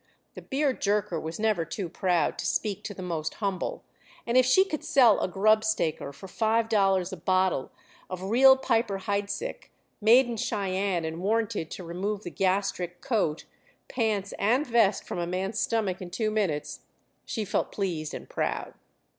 The beer jerker was never too proud to speak to the most humble, and if she could sell a grub staker for $5 a bottle of real Piper Heidsick, made in Cheyenne and warranted to remove the gastric coat, pants and vest from a man's stomach in two minutes, she felt pleased and proud.